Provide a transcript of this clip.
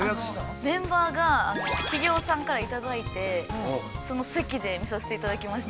◆メンバーが、企業さんからいただいて、その席で見させていただきました。